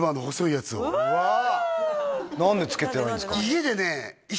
うわ何でつけてないんですか？